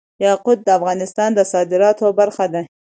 یاقوت د افغانستان د صادراتو برخه ده.